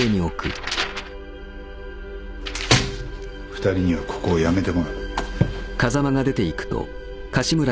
２人にはここを辞めてもらう。